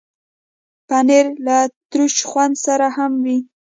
پنېر له ترشو خوند سره هم وي.